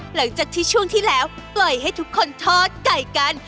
หลังจากที่ช่วงที่แล้วปล่อยให้ทุกคนทอดไก่กัน